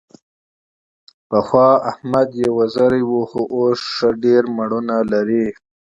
پخوا احمد یکه و، خو اوس ښه ډېر مېړونه لري.